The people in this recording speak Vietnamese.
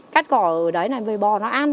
cắt khỏ ở đấy là bò nó ăn